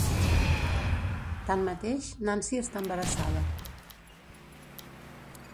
Tanmateix, Nancy està embarassada.